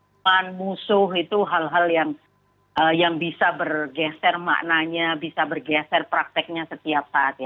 dan musuh itu hal hal yang bisa bergeser maknanya bisa bergeser prakteknya